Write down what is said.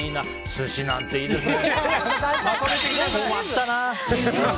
寿司なんていいですね。